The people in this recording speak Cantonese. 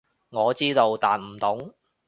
我知道，但唔懂